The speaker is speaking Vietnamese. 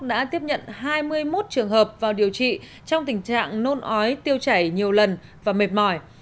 đã tiếp nhận hai mươi một trường hợp vào điều trị trong tình trạng nôn ói tiêu chảy nhiều lần và mệt mỏi